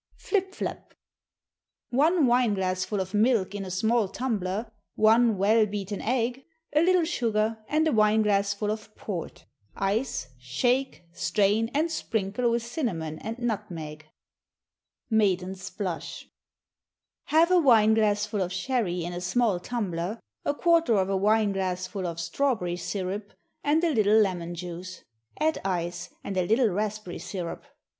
Flip Flap. One wine glassful of milk in a small tumbler, one well beaten egg, a little sugar, and a wine glassful of port. Ice, shake, strain, and sprinkle with cinnamon and nutmeg. Maiden's Blush. Half a wine glassful of sherry in a small tumbler, a quarter of a wine glassful of strawberry syrup, and a little lemon juice. Add ice, and a little raspberry syrup.